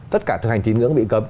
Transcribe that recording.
tất cả thực hành tín ngưỡng bị cấm